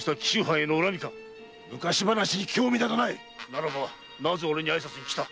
ならばなぜ俺に挨拶に来た？